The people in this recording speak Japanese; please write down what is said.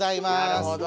なるほど。